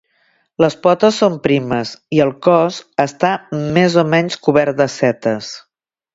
Les potes són primes i el cos està més o menys cobert de setes.